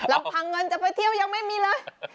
ลำพังเงินจะไปเที่ยวยังไม่มีเลย